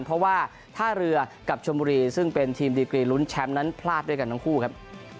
เพราะว่าท่าเรือกับชมบุรีซึ่งเป็นทีมดีกรีลุ้นแชมป์นั้นพลาดด้วยกันทั้งคู่ครับ